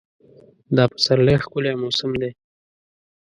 دا پسرلی ښکلی موسم دی.